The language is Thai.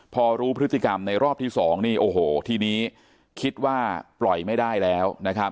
พอรู้พฤติกรรมในรอบที่๒ทีนี้คิดว่าปล่อยไม่ได้แล้ว